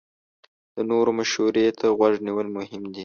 د نورو مشورې ته غوږ نیول مهم دي.